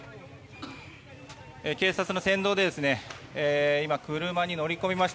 警察の先導で今、車に乗り込みました。